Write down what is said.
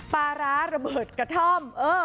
ปลาร้าระเบิดกระท่อม